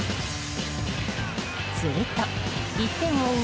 すると１点を追う